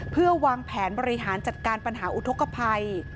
เพื่อวางแผนบริหารจัดการปัญหาอุทธกภัย